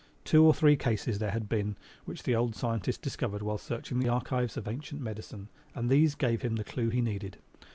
Two or three cases there had been which the old scientist discovered while searching the archives of ancient medicine and these gave him the clew he needed.